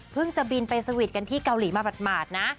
เพิ่งจะบินไปสวิตก์กันที่เกาหลีมาหมดนะ